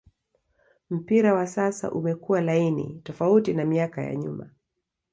mpira wa sasa umekua laini tofauti na miaka ya nyuma